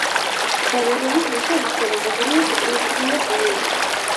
რომანების მიხედვით გადაღებულია სატელევიზიო სერიალიც.